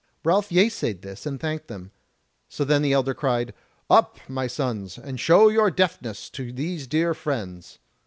Ralph yeasaid this, and thanked them. So then the elder cried: "Up, my sons, and show your deftness to these dear friends!"